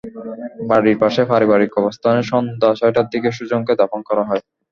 বাড়ির পাশে পারিবারিক কবরস্থানে সন্ধ্যা ছয়টার দিকে সুজনকে দাফন করা হয়।